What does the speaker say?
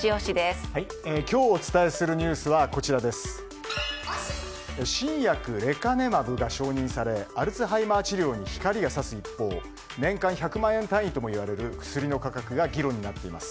今日お伝えするニュースは新薬レカネマブが承認されアルツハイマ−治療に光が差す一方年間１００万円単位ともいわれる薬の価格が議論になっています。